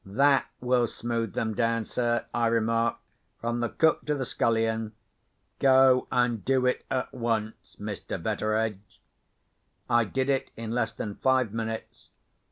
"That will smooth them down, sir," I remarked, "from the cook to the scullion." "Go, and do it at once, Mr. Betteredge." I did it in less than five minutes.